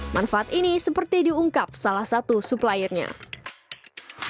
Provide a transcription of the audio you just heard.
manfaat ini seperti diungkap salah satu supplier tersebut